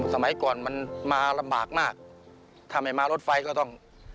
สมัยก่อนมันมาลำบากมากถ้าไม่มารถไฟก็ต้อง